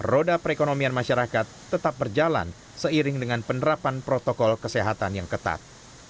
roda perekonomian masyarakat tetap berjalan seiring dengan penerapan protokol kesehatan yang ketat